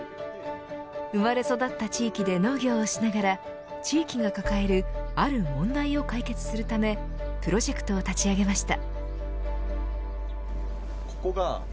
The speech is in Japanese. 生まれ育った地域で農業をしながら地域が抱えるある問題を解決するためプロジェクトを立ち上げました。